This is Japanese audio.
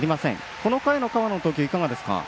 この回の河野の投球いかがですか。